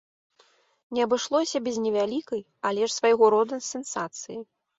Не абышлося без невялікай, але ж свайго роду сенсацыі.